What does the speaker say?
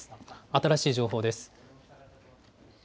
新しい情報です。